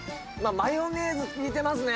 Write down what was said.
マヨネーズ効いていますね。